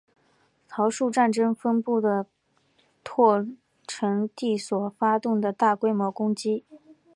桃树战争分布的拓垦地所发动的大规模攻击。